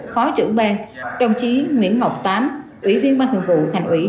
phó trưởng b đồng chí nguyễn mộc tám ủy viên ban thường vụ thành ủy